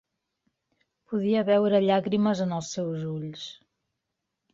Podia veure llàgrimes en els seus ulls.